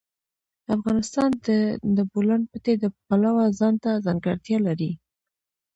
افغانستان د د بولان پټي د پلوه ځانته ځانګړتیا لري.